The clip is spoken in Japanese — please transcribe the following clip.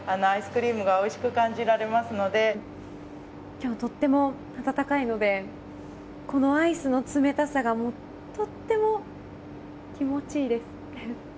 今日、とっても暖かいのでこのアイスの冷たさがとっても気持ちいいです。